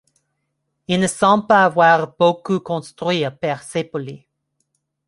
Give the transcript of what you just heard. Il ne semble pas avoir beaucoup construit à Persépolis.